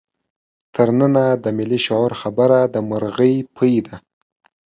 تر ننه د ملي شعور خبره د مرغۍ پۍ ده.